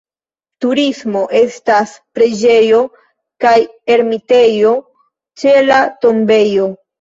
Turismo: estas preĝejo kaj ermitejo ĉe la tombejo.